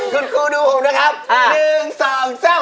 คุณครูดูผมนะครับอ่าหนึ่งสองเซ่า